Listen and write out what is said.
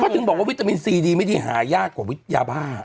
ถึงบอกว่าวิตามินซีดีไม่ดีหายากกว่ายาบ้า